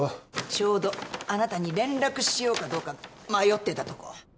ちょうどあなたに連絡しようかどうか迷ってたとこ。